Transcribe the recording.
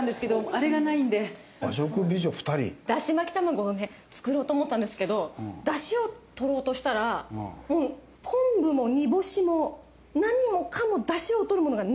ダシ巻き玉子をね作ろうと思ったんですけどダシをとろうとしたらもう昆布も煮干しも何もかもダシをとるものがないんですよ。